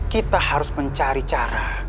kita harus mencari cara